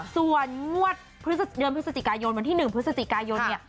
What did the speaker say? ส่วนงวดเดือนพฤศจิกายนวันที่๑พฤศจิกายนเนี่ย